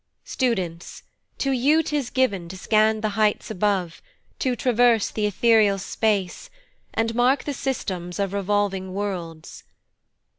Students, to you 'tis giv'n to scan the heights Above, to traverse the ethereal space, And mark the systems of revolving worlds.